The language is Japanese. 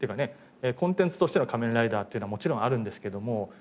コンテンツとしての『仮面ライダー』っていうのはもちろんあるんですけども。